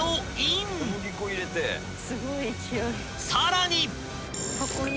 ［さらに］